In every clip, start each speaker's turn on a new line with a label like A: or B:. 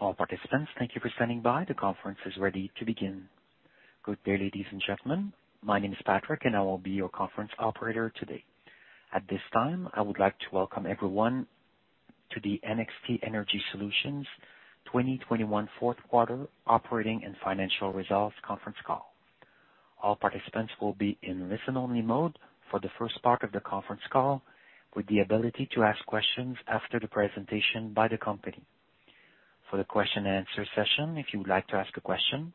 A: All participants, thank you for standing by. The conference is ready to begin. Good day, ladies and gentlemen. My name is Patrick, and I will be your conference operator today. At this time, I would like to welcome everyone to the NXT Energy Solutions 2021 fourth quarter operating and financial results conference call. All participants will be in listen-only mode for the first part of the conference call with the ability to ask questions after the presentation by the company. For the question answer session, if you would like to ask a question,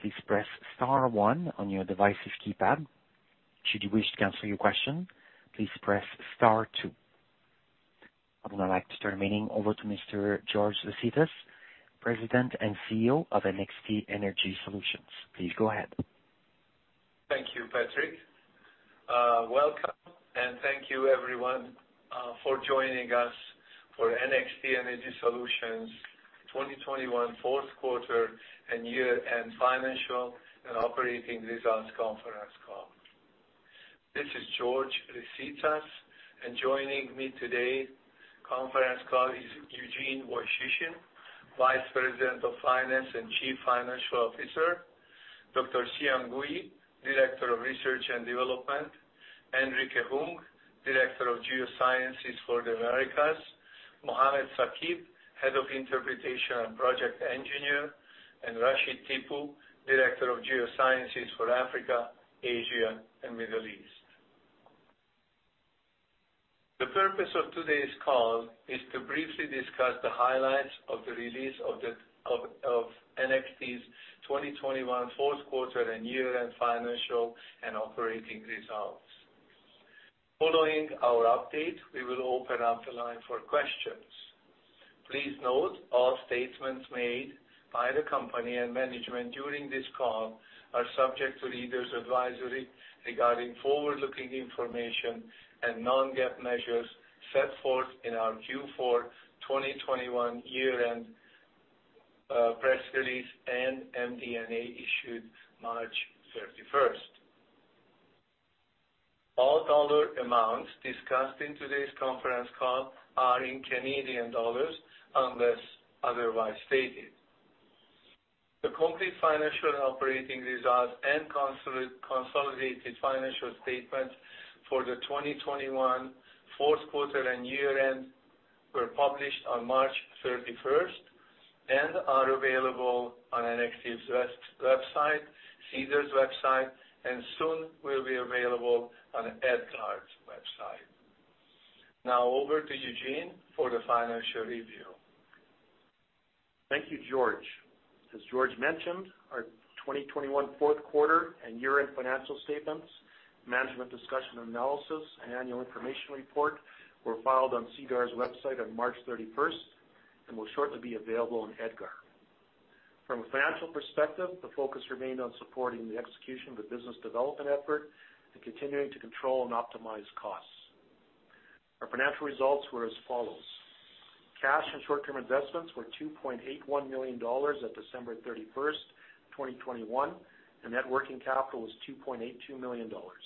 A: please press star one on your device's keypad. Should you wish to cancel your question, please press star two. I would now like to turn the meeting over to Mr. George Liszicasz, President and CEO of NXT Energy Solutions. Please go ahead.
B: Thank you, Patrick. Welcome, and thank you everyone for joining us for NXT Energy Solutions 2021 fourth quarter and year-end financial and operating results conference call. This is George Liszicasz, and joining me on today's conference call is Eugene Woychyshyn, Vice President of Finance and Chief Financial Officer, Dr. Xiang Gui, Director of Research and Development, Enrique Hung, Director of Geosciences for the Americas, Mohammed Saqib, Head of Interpretation and Project Engineer, and Rashid Tippu, Director of Geosciences for Africa, Asia, and Middle East. The purpose of today's call is to briefly discuss the highlights of the release of NXT's 2021 fourth quarter and year-end financial and operating results. Following our update, we will open up the line for questions. Please note all statements made by the company and management during this call are subject to reader's advisory regarding forward-looking information and non-GAAP measures set forth in our Q4 2021 year-end press release and MD&A issued March 31. All dollar amounts discussed in today's conference call are in Canadian dollars unless otherwise stated. The complete financial and operating results and consolidated financial statements for the 2021 fourth quarter and year-end were published on March 31 and are available on NXT's website, SEDAR's website, and soon will be available on EDGAR's website. Now over to Eugene for the financial review.
C: Thank you, George. As George mentioned, our 2021 fourth quarter and year-end financial statements, management discussion and analysis, and annual information report were filed on SEDAR's website on March 31 and will shortly be available on EDGAR. From a financial perspective, the focus remained on supporting the execution of the business development effort and continuing to control and optimize costs. Our financial results were as follows. Cash and short-term investments were 2.81 million dollars at December 31, 2021, and net working capital was 2.82 million dollars.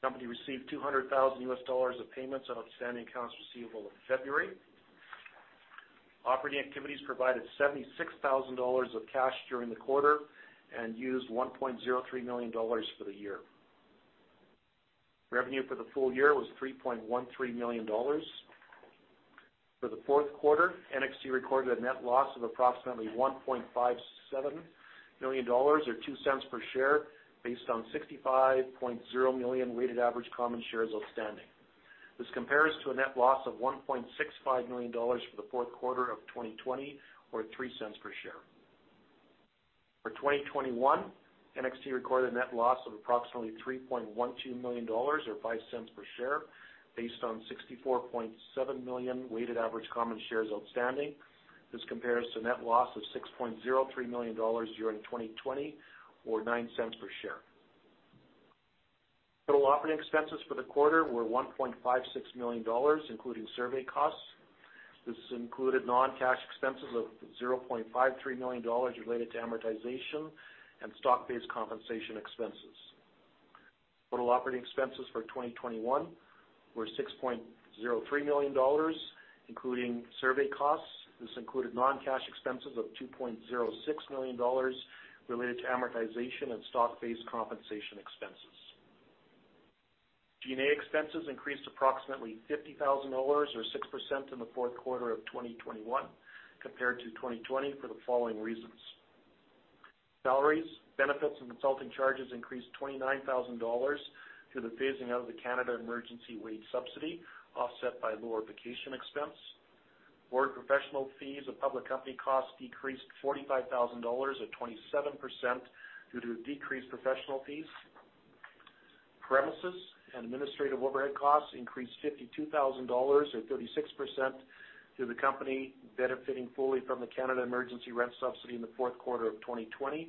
C: Company received 200,000 US dollars of payments on outstanding accounts receivable in February. Operating activities provided 76,000 dollars of cash during the quarter and used 1.03 million dollars for the year. Revenue for the full year was 3.13 million dollars. For the fourth quarter, NXT recorded a net loss of approximately 1.57 million dollars or 0.02 per share based on 65.0 million weighted average common shares outstanding. This compares to a net loss of 1.65 million dollars for the fourth quarter of 2020 or 0.03 per share. For 2021, NXT recorded a net loss of approximately 3.12 million dollars or 0.05 per share based on 64.7 million weighted average common shares outstanding. This compares to net loss of 6.03 million dollars during 2020 or 0.09 per share. Total operating expenses for the quarter were 1.56 million dollars, including survey costs. This included non-cash expenses of 0.53 million dollars related to amortization and stock-based compensation expenses. Total operating expenses for 2021 were 6.03 million dollars, including survey costs. This included non-cash expenses of 2.06 million dollars related to amortization and stock-based compensation expenses. G&A expenses increased approximately 50,000 dollars or 6% in the fourth quarter of 2021 compared to 2020 for the following reasons. Salaries, benefits, and consulting charges increased 29,000 dollars due to the phasing out of the Canada Emergency Wage Subsidy, offset by lower vacation expense. Board professional fees of public company costs decreased 45,000 dollars or 27% due to decreased professional fees. Premises and administrative overhead costs increased 52,000 dollars or 36% due to the company benefiting fully from the Canada Emergency Rent Subsidy in the fourth quarter of 2020.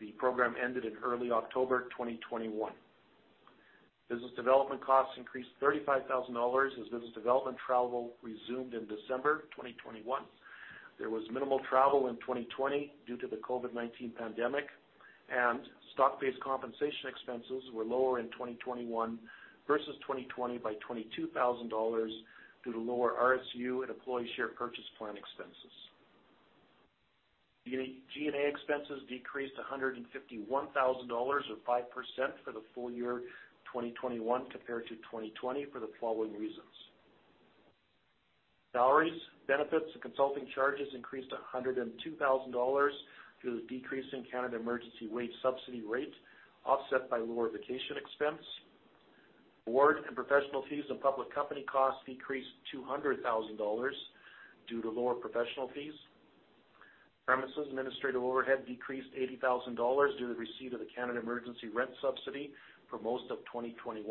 C: The program ended in early October 2021. Business development costs increased 35,000 dollars as business development travel resumed in December 2021. There was minimal travel in 2020 due to the COVID-19 pandemic. Stock-based compensation expenses were lower in 2021 versus 2020 by 22,000 dollars due to lower RSU and employee share purchase plan expenses. The G&A expenses decreased 151,000 dollars or 5% for the full year 2021 compared to 2020 for the following reasons. Salaries, benefits, and consulting charges increased 102,000 dollars due to the decrease in Canada Emergency Wage Subsidy rate offset by lower vacation expense. Board and professional fees and public company costs decreased 200,000 dollars due to lower professional fees. Premises administrative overhead decreased 80,000 dollars due to receipt of the Canada Emergency Rent Subsidy for most of 2021.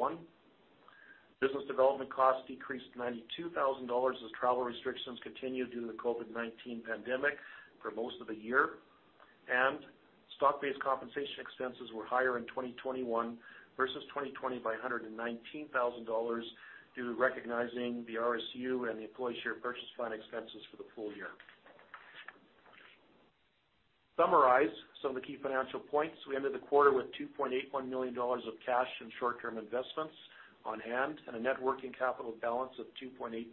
C: Business development costs decreased 92,000 dollars as travel restrictions continued due to the COVID-19 pandemic for most of the year. Stock-based compensation expenses were higher in 2021 versus 2020 by 119,000 dollars due to recognizing the RSU and the employee share purchase plan expenses for the full year. To summarize some of the key financial points, we ended the quarter with 2.81 million dollars of cash and short-term investments on hand and a net working capital balance of 2.82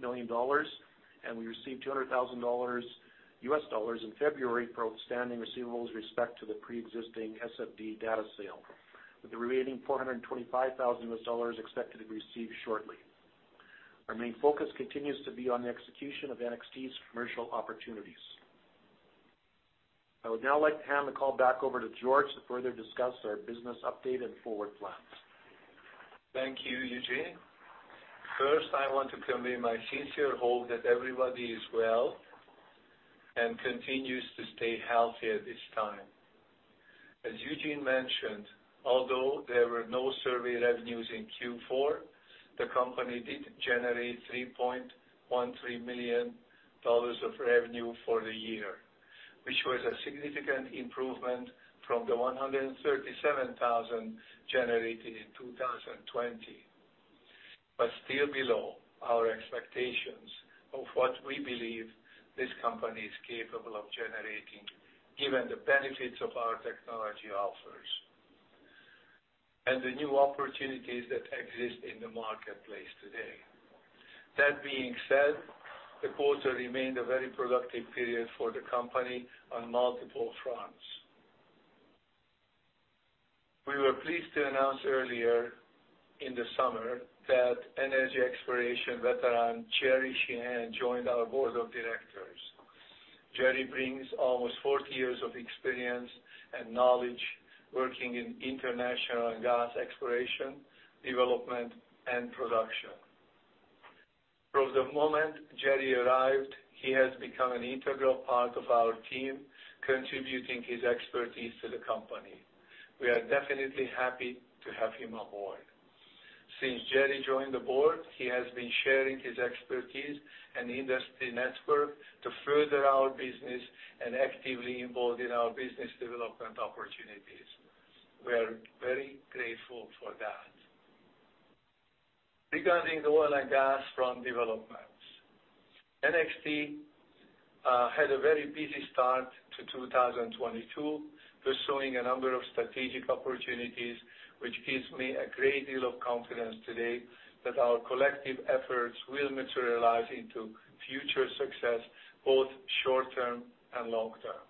C: million dollars. We received $200,000 in February for outstanding receivables with respect to the pre-existing SFD data sale, with the remaining CAD 425,000 expected to be received shortly. Our main focus continues to be on the execution of NXT's commercial opportunities. I would now like to hand the call back over to George to further discuss our business update and forward plans.
B: Thank you, Eugene. First, I want to convey my sincere hope that everybody is well and continues to stay healthy at this time. As Eugene mentioned, although there were no survey revenues in Q4, the company did generate 3.13 million dollars of revenue for the year, which was a significant improvement from the 137,000 generated in 2020. Still below our expectations of what we believe this company is capable of generating, given the benefits of our technology offers and the new opportunities that exist in the marketplace today. That being said, the quarter remained a very productive period for the company on multiple fronts. We were pleased to announce earlier in the summer that energy exploration veteran Gerry Sheehan joined our board of directors. Gerry brings almost 40 years of experience and knowledge working in oil and gas exploration, development, and production. From the moment Gerry arrived, he has become an integral part of our team, contributing his expertise to the company. We are definitely happy to have him on board. Since Gerry joined the board, he has been sharing his expertise and industry network to further our business and actively involved in our business development opportunities. We are very grateful for that. Regarding the oil and gas front developments, NXT had a very busy start to 2022, pursuing a number of strategic opportunities, which gives me a great deal of confidence today that our collective efforts will materialize into future success, both short-term and long-term.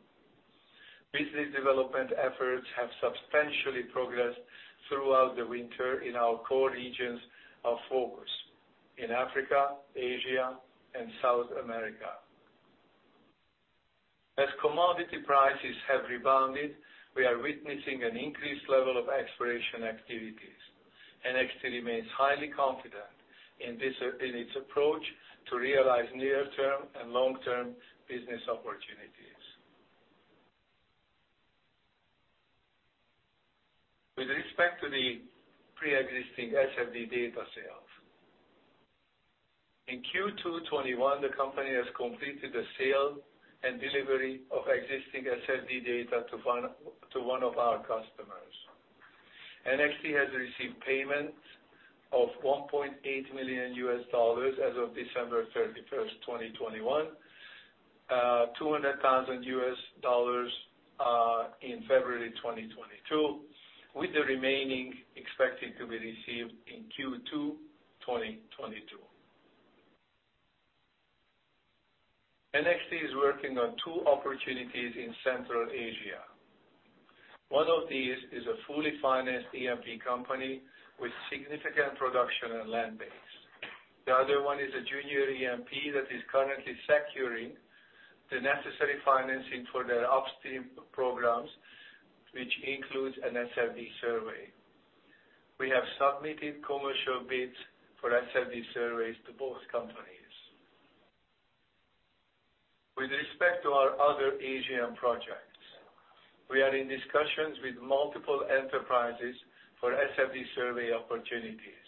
B: Business development efforts have substantially progressed throughout the winter in our core regions of focus in Africa, Asia, and South America. As commodity prices have rebounded, we are witnessing an increased level of exploration activities. NXT remains highly confident in this in its approach to realize near-term and long-term business opportunities. With respect to the pre-existing SFD data sales, in Q2 2021, the company has completed the sale and delivery of existing SFD data to one of our customers. NXT has received payment of $1.8 million as of December 31, 2021. $200,000 in February 2022, with the remaining expected to be received in Q2 2022. NXT is working on two opportunities in Central Asia. One of these is a fully financed E&P company with significant production and land base. The other one is a junior E&P that is currently securing the necessary financing for their upstream programs, which includes an SFD survey. We have submitted commercial bids for SFD surveys to both companies. With respect to our other Asian projects, we are in discussions with multiple enterprises for SFD survey opportunities.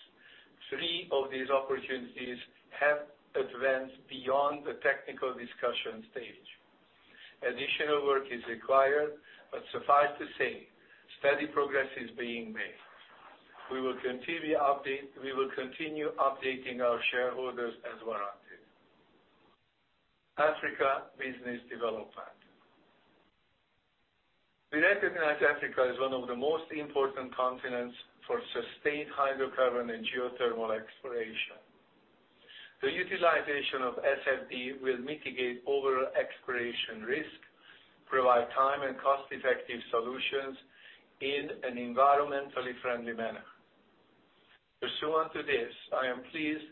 B: Three of these opportunities have advanced beyond the technical discussion stage. Additional work is required, but suffice to say, steady progress is being made. We will continue updating our shareholders as we're on Africa business development. We recognize Africa as one of the most important continents for sustained hydrocarbon and geothermal exploration. The utilization of SFD will mitigate overall exploration risk, provide time and cost-effective solutions in an environmentally friendly manner. Pursuant to this, I am pleased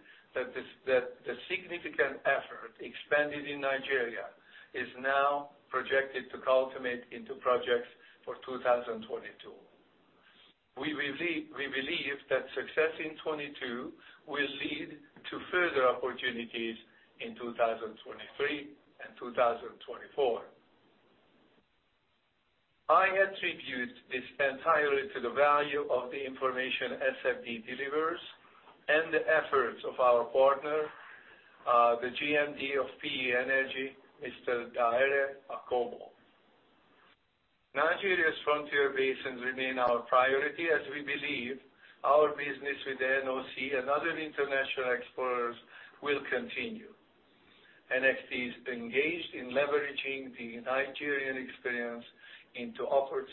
B: that the significant effort expended in Nigeria is now projected to culminate into projects for 2022. We believe that success in 2022 will lead to further opportunities in 2023 and 2024. I attribute this entirely to the value of the information SFD delivers and the efforts of our partner, the GMD of PE Energy, Mr. Daere Akobo. Nigeria's frontier basins remain our priority as we believe our business with the NOC and other international explorers will continue. NXT is engaged in leveraging the Nigerian experience into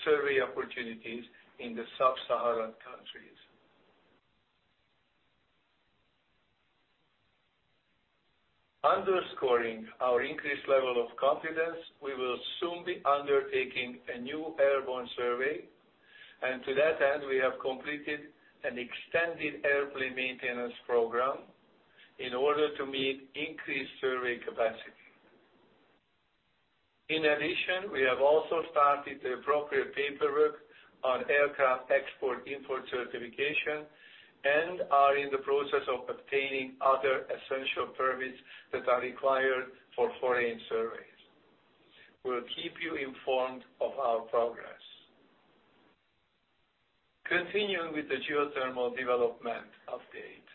B: survey opportunities in the Sub-Saharan countries. Underscoring our increased level of confidence, we will soon be undertaking a new airborne survey, and to that end, we have completed an extended airplane maintenance program in order to meet increased survey capacity. In addition, we have also started the appropriate paperwork on aircraft export/import certification and are in the process of obtaining other essential permits that are required for foreign surveys. We'll keep you informed of our progress. Continuing with the geothermal development update.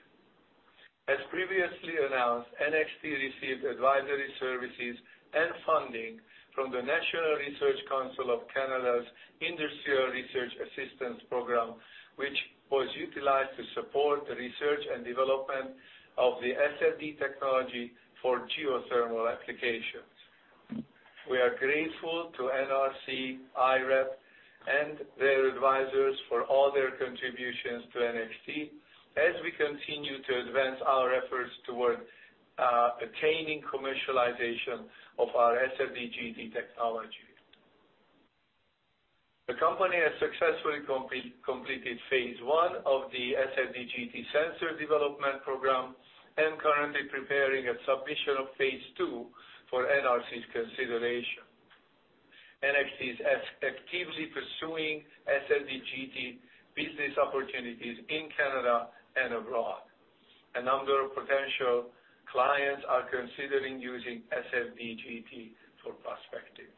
B: As previously announced, NXT received advisory services and funding from the National Research Council of Canada's Industrial Research Assistance Program, which was utilized to support the research and development of the SFD technology for geothermal applications. We are grateful to NRC, IRAP, and their advisors for all their contributions to NXT as we continue to advance our efforts toward attaining commercialization of our SFDGT technology. The company has successfully completed phase one of the SFDGT sensor development program and currently preparing a submission of phase two for NRC's consideration. NXT is actively pursuing SFDGT business opportunities in Canada and abroad. A number of potential clients are considering using SFDGT for prospecting.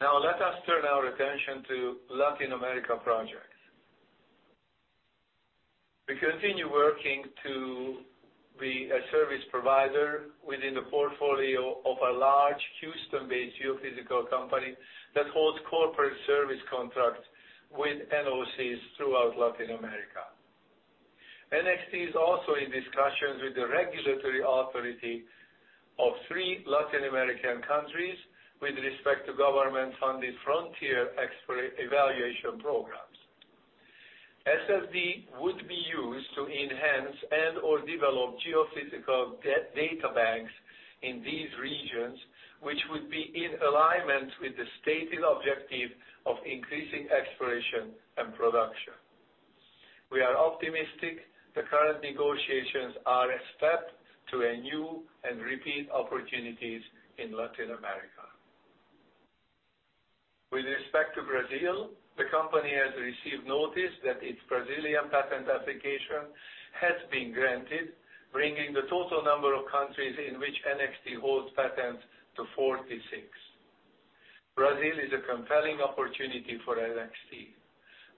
B: Now let us turn our attention to Latin America projects. We continue working to be a service provider within the portfolio of a large Houston-based geophysical company that holds corporate service contracts with NOCs throughout Latin America. NXT is also in discussions with the regulatory authority of three Latin American countries with respect to government-funded frontier evaluation programs. SFD would be used to enhance and/or develop geophysical data banks in these regions, which would be in alignment with the stated objective of increasing exploration and production. We are optimistic the current negotiations are a step to a new and repeat opportunities in Latin America. With respect to Brazil, the company has received notice that its Brazilian patent application has been granted, bringing the total number of countries in which NXT holds patents to 46. Brazil is a compelling opportunity for NXT.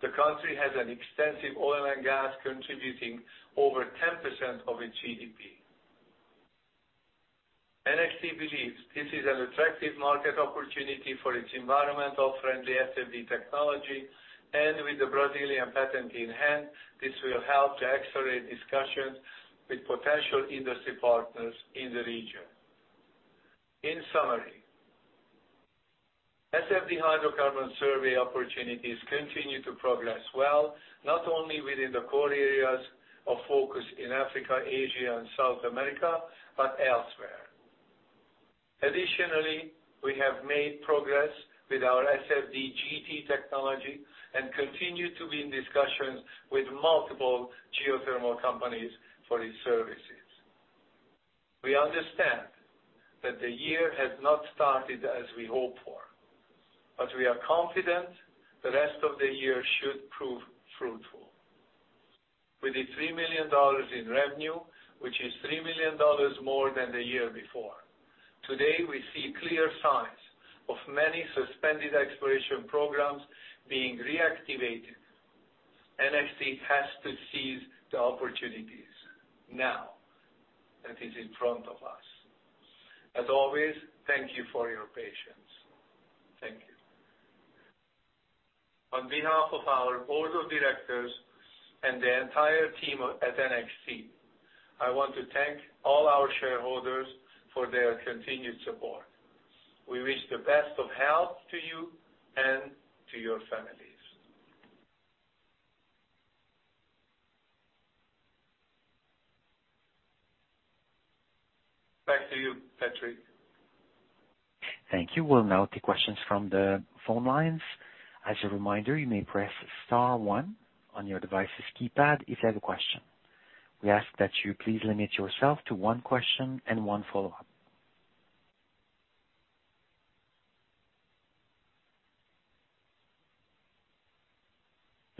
B: The country has an extensive oil and gas, contributing over 10% of its GDP. NXT believes this is an attractive market opportunity for its environmentally friendly SFD technology, and with the Brazilian patent in hand, this will help to accelerate discussions with potential industry partners in the region. In summary, SFD hydrocarbon survey opportunities continue to progress well, not only within the core areas of focus in Africa, Asia, and South America, but elsewhere. Additionally, we have made progress with our SFDGT technology and continue to be in discussions with multiple geothermal companies for its services. We understand that the year has not started as we hoped for, but we are confident the rest of the year should prove fruitful. With the 3 million dollars in revenue, which is 3 million dollars more than the year before, today, we see clear signs of many suspended exploration programs being reactivated. NXT has to seize the opportunities now that is in front of us. As always, thank you for your patience. Thank you. On behalf of our board of directors and the entire team at NXT, I want to thank all our shareholders for their continued support. We wish the best of health to you and to your families. Back to you, Patrick.
A: Thank you. We'll now take questions from the phone lines. As a reminder, you may press star one on your device's keypad if you have a question. We ask that you please limit yourself to one question and one follow-up. The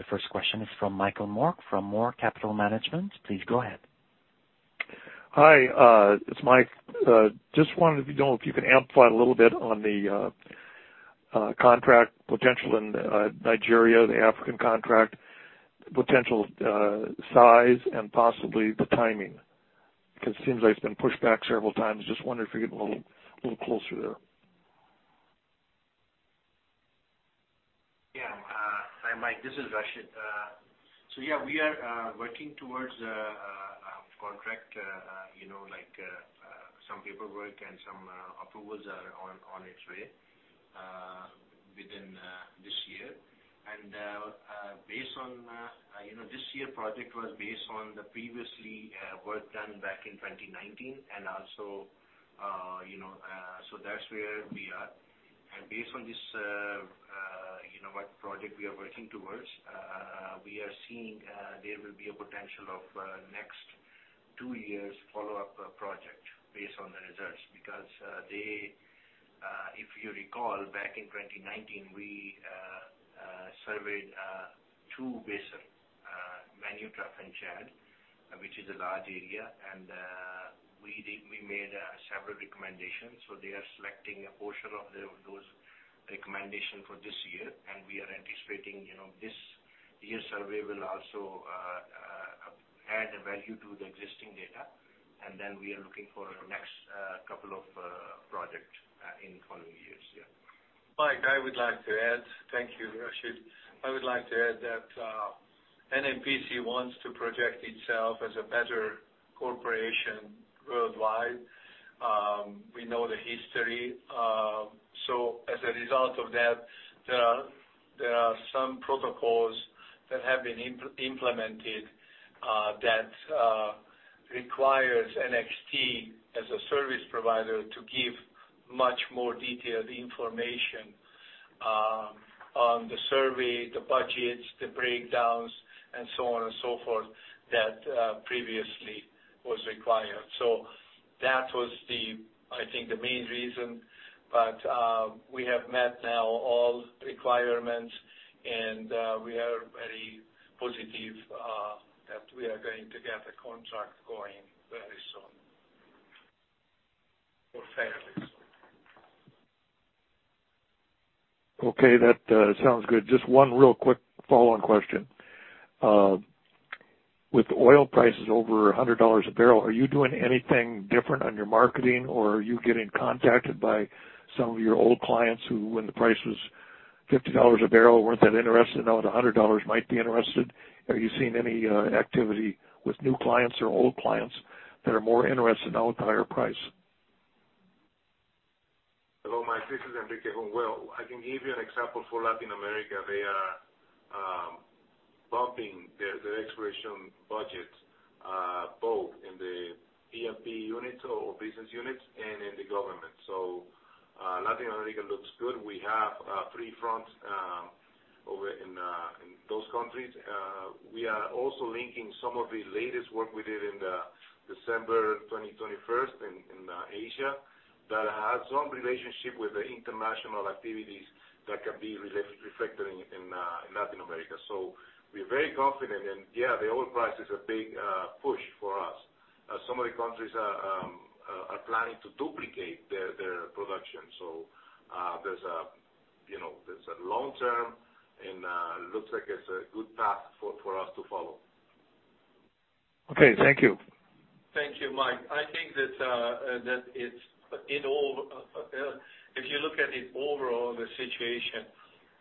A: first question is from Michael Melnick from Moore Capital Management. Please go ahead.
D: Hi, it's Mike. Just wondering if you know if you can amplify a little bit on the contract potential in Nigeria, the African contract potential, size and possibly the timing, because it seems like it's been pushed back several times. Just wondering if you get a little closer there.
E: Hi, Mike, this is Rashid. We are working towards a contract. You know, like, some paperwork and some approvals are on its way within this year. Based on you know, this year project was based on the previous work done back in 2019. You know, that's where we are. Based on this you know, what project we are working towards, we are seeing there will be a potential of next two years follow-up project based on the results. Because if you recall back in 2019, we surveyed two basins, Benue Trough and Chad, which is a large area. We made several recommendations. They are selecting a portion of those recommendation for this year. We are anticipating, you know, this year's survey will also add a value to the existing data. We are looking for the next couple of project in following years. Yeah.
B: Mike, I would like to add. Thank you, Rashid. I would like to add that NNPC wants to project itself as a better corporation worldwide. We know the history. As a result of that, there are some protocols that have been implemented that requires NXT as a service provider to give much more detailed information on the survey, the budgets, the breakdowns and so on and so forth that previously was required. That was the, I think, the main reason. We have met now all requirements, and we are very positive that we are going to get a contract going very soon or fairly soon.
D: Okay, that sounds good. Just one real quick follow-on question. With oil prices over $100 a barrel, are you doing anything different on your marketing, or are you getting contacted by some of your old clients who, when the price was $50 a barrel, weren't that interested, now at $100 might be interested? Are you seeing any activity with new clients or old clients that are more interested now at the higher price?
F: Hello, Mike, this is Enrique. Well, I can give you an example for Latin America. They are bumping their exploration budgets both in the E&P units or business units and in the government. Latin America looks good. We have three fronts over in those countries. We are also linking some of the latest work we did in December 2021 in Asia that has some relationship with the international activities that can be reflected in Latin America. We're very confident. Yeah, the oil price is a big push for us. Some of the countries are planning to duplicate their production. There's a long term, you know, and looks like it's a good path for us to follow.
D: Okay, thank you.
B: Thank you, Mike. I think if you look at the overall situation,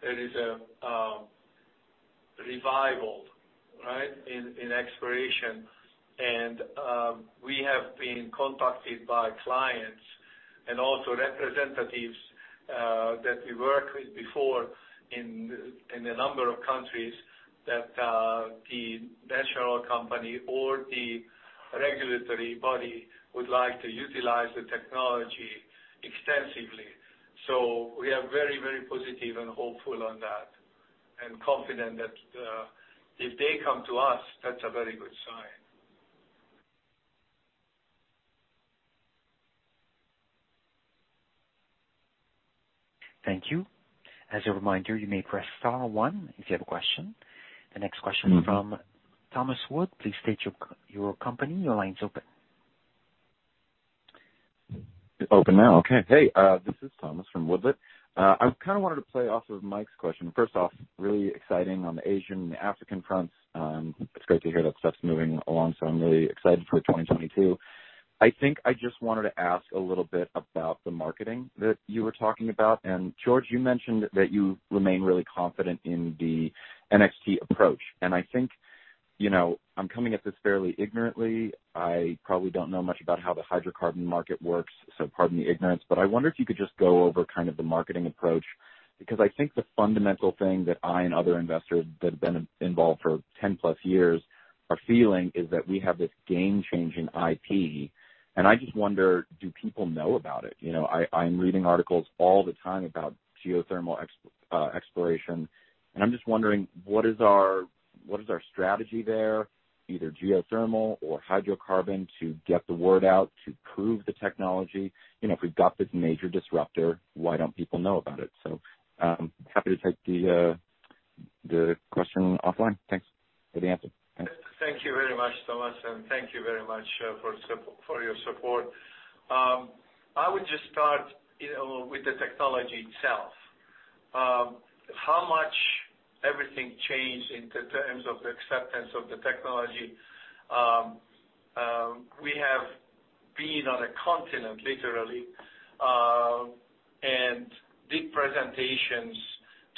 B: there is a revival, right, in exploration. We have been contacted by clients and also representatives that we worked with before in a number of countries that the national company or the regulatory body would like to utilize the technology extensively. We are very, very positive and hopeful on that, and confident that if they come to us, that's a very good sign.
A: Thank you. As a reminder, you may press star one if you have a question. The next question from Thomas Wood. Please state your company. Your line's open.
G: Hey, this is Thomas from Woodlet. I kind of wanted to play off of Mike's question. First off, really exciting on the Asian, the African fronts. It's great to hear that stuff's moving along, so I'm really excited for 2022. I think I just wanted to ask a little bit about the marketing that you were talking about. George, you mentioned that you remain really confident in the NXT approach. I think, you know, I'm coming at this fairly ignorantly. I probably don't know much about how the hydrocarbon market works, so pardon the ignorance. I wonder if you could just go over kind of the marketing approach, because I think the fundamental thing that I and other investors that have been involved for 10+ years are feeling is that we have this game-changing IP. I just wonder, do people know about it? You know, I'm reading articles all the time about geothermal exploration. I'm just wondering, what is our strategy there, either geothermal or hydrocarbon, to get the word out, to prove the technology? You know, if we've got this major disruptor, why don't people know about it? Happy to take the question offline. Thanks for the answer. Thanks.
B: Thank you very much, Thomas, and thank you very much for your support. I would just start, you know, with the technology itself, how much everything changed in terms of the acceptance of the technology. We have been on a continent, literally, and did presentations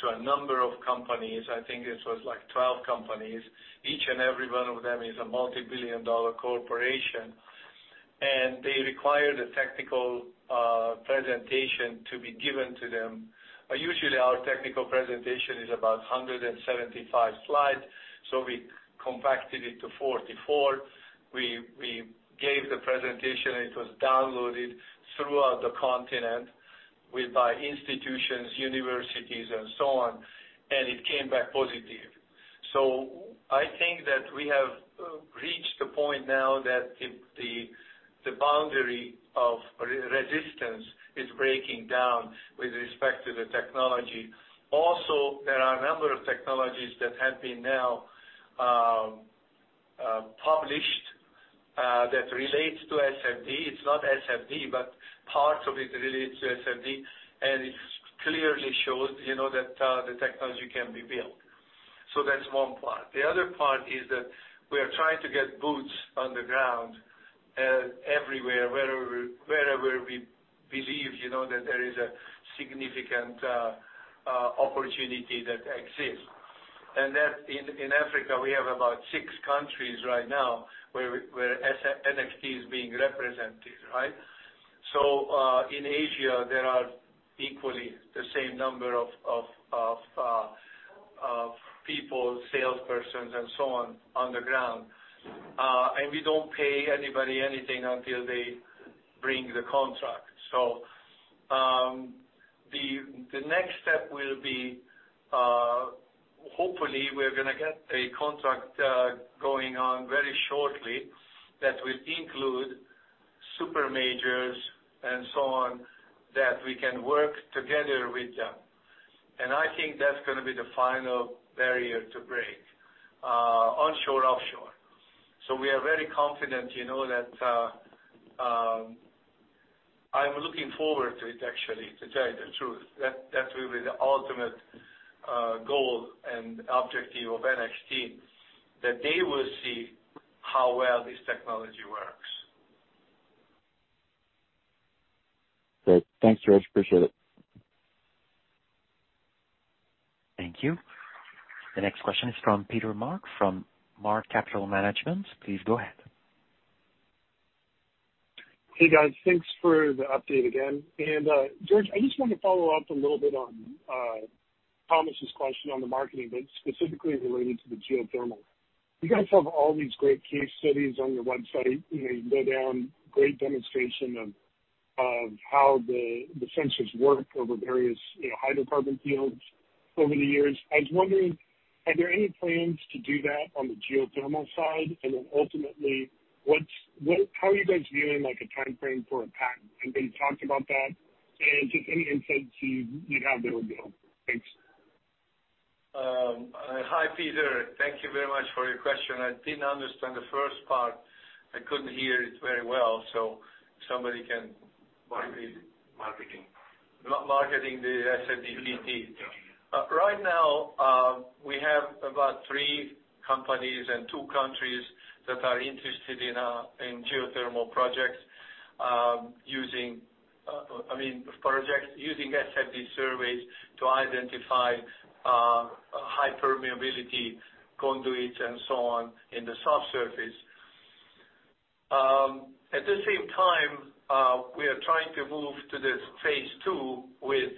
B: to a number of companies, I think it was like 12 companies. Each and every one of them is a multi-billion dollar corporation, and they require the technical presentation to be given to them. Usually our technical presentation is about 175 slides, so we compacted it to 44. We gave the presentation, it was downloaded throughout the continent by institutions, universities and so on, and it came back positive. I think that we have reached the point now that if the boundary of resistance is breaking down with respect to the technology. Also, there are a number of technologies that have been now published that relates to SFD. It's not SFD, but part of it relates to SFD, and it clearly shows, you know, that the technology can be built. That's one part. The other part is that we are trying to get boots on the ground everywhere, wherever we believe, you know, that there is a significant opportunity that exists. And that in Africa, we have about six countries right now where NXT is being represented, right? In Asia, there are equally the same number of people, salespersons and so on the ground. We don't pay anybody anything until they bring the contract. The next step will be, hopefully we're gonna get a contract going on very shortly that will include super majors and so on, that we can work together with them. I think that's gonna be the final barrier to break, onshore, offshore. We are very confident, you know, that I'm looking forward to it actually, to tell you the truth. That will be the ultimate goal and objective of NXT, that they will see how well this technology works.
G: Great. Thanks, George. Appreciate it.
A: Thank you. The next question is from Peter Mark, from MARK Capital Management. Please go ahead.
H: Hey, guys. Thanks for the update again. George, I just wanted to follow up a little bit on Thomas's question on the marketing, but specifically related to the geothermal. You guys have all these great case studies on your website. You know, you go down, great demonstration of how the sensors work over various, you know, hydrocarbon fields over the years. I was wondering, are there any plans to do that on the geothermal side? Then ultimately, how are you guys viewing, like, a timeframe for a patent? Have you talked about that? Just any insights you have there would be helpful. Thanks.
B: Hi, Peter. Thank you very much for your question. I didn't understand the first part. I couldn't hear it very well, so somebody can-
I: Marketing.
B: Marketing the SFDGT.
I: Yeah.
B: Right now, we have about three companies in two countries that are interested in geothermal projects using, I mean, projects using SFD surveys to identify high permeability conduits and so on in the subsurface. At the same time, we are trying to move to this phase two with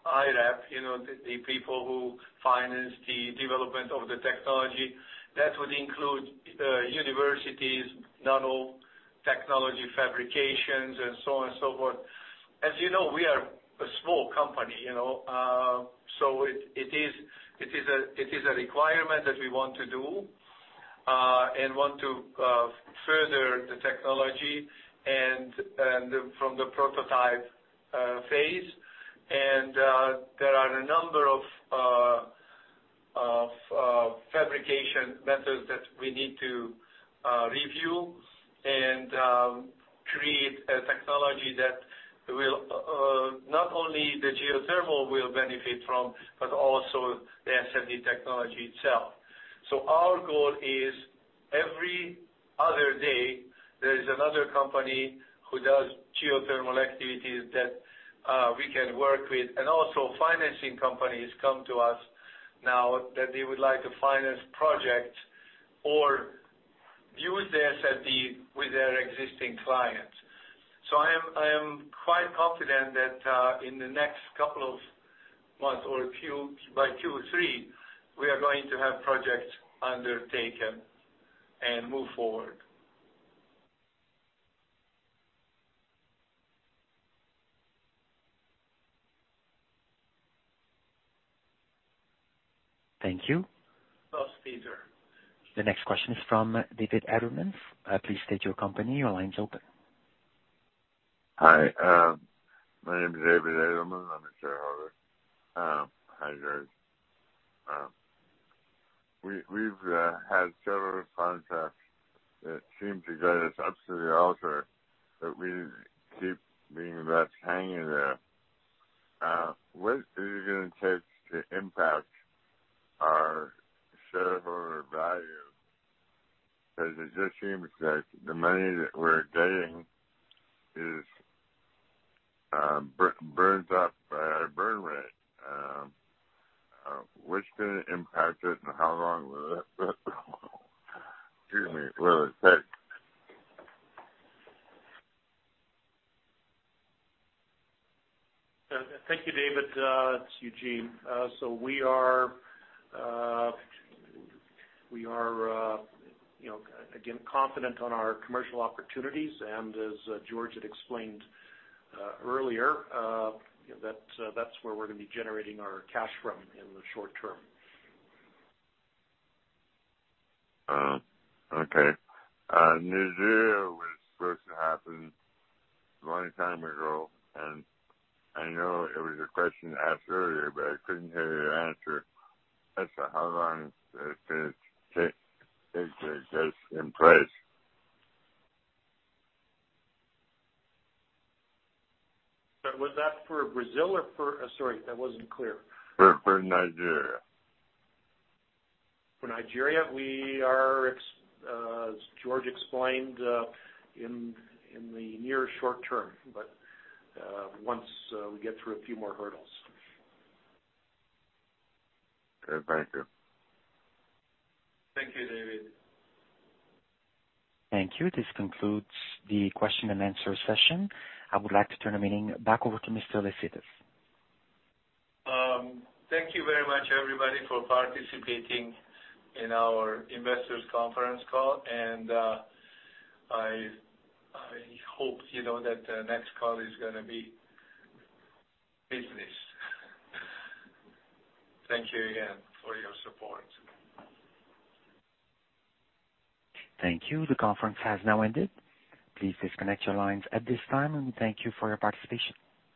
B: IRAP, you know, the people who finance the development of the technology. That would include universities, nanotechnology fabrications and so on and so forth. As you know, we are a small company, you know. It is a requirement that we want to do and want to further the technology and from the prototype phase. There are a number of fabrication methods that we need to review. Create a technology that will, not only the geothermal will benefit from, but also the SFD technology itself. Our goal is every other day, there's another company who does geothermal activities that, we can work with. Also financing companies come to us now that they would like to finance projects or use the SFD with their existing clients. I am quite confident that, in the next couple of months or by Q3, we are going to have projects undertaken and move forward.
A: Thank you.
B: Oh, Peter.
A: The next question is from David Edelman. Please state your company. Your line is open.
J: Hi, my name is David Edelman. I'm a shareholder. Hi, George. We've had several contracts that seem to get us up to the altar, but we keep being left hanging there. What is it gonna take to impact our shareholder value? Because it just seems like the money that we're getting is burns up by our burn rate. What's gonna impact it, and how long will it take?
C: Thank you, David. It's Eugene. We are, you know, again, confident on our commercial opportunities. As George had explained earlier, you know, that's where we're gonna be generating our cash from in the short term.
J: Okay. Nigeria was supposed to happen long time ago, and I know it was a question asked earlier, but I couldn't hear your answer as to how long it's gonna take to get in place.
C: Was that for Brazil or for? Sorry, that wasn't clear.
J: For Nigeria.
C: For Nigeria? We are, as George explained, in the near short term, but once we get through a few more hurdles.
J: Okay. Thank you.
B: Thank you, David.
A: Thank you. This concludes the question and answer session. I would like to turn the meeting back over to Mr. Liszicasz.
B: Thank you very much, everybody, for participating in our investor's conference call. I hope you know that the next call is gonna be business. Thank you again for your support.
A: Thank you. The conference has now ended. Please disconnect your lines at this time, and thank you for your participation.